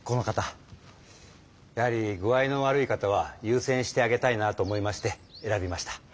やはり具合の悪い方はゆうせんしてあげたいなと思いまして選びました。